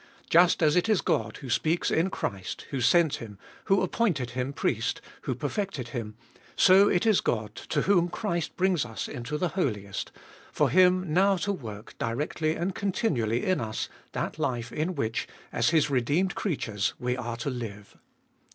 Just as it is God who speaks in Christ, who sent Him, who appointed Him Priest, who perfected Him, so it is God to whom Christ brings us into the Holiest, for Him now to work directly and continually in us that life in which, as His redeemed creatures, we are to live.